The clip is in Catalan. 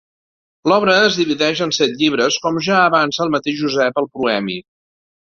L'obra es divideix en set llibres com ja avança el mateix Josep al proemi.